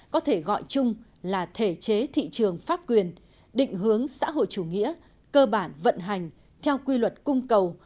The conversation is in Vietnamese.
có thể gọi chung là thể chế thị trường pháp quyền định hướng xã hội chủ nghĩa cơ bản vận hành theo quy luật cung cầu